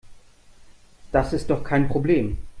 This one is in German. Das ist doch kein Problem.